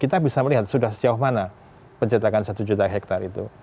kita bisa melihat sudah sejauh mana pencetakan satu juta hektare itu